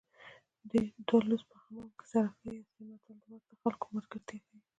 دوه لوڅ په حمام کې سره ښه ایسي متل د ورته خلکو ملګرتیا ښيي